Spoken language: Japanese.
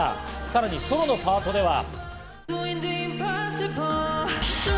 さらにソロのパートでは。